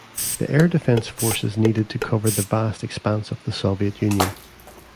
The Air Defense Forces needed to cover the vast expanse of the Soviet Union.